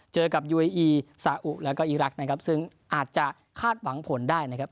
เจอกับยูเออีซาอุแล้วก็อีรักษ์นะครับซึ่งอาจจะคาดหวังผลได้นะครับ